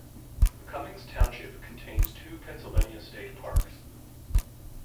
Cummings Township contains two Pennsylvania state parks.